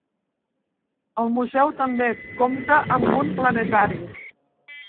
El museu també compta amb un planetari.